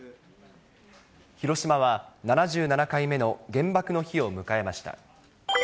広島は７７回目の原爆の日を迎えました。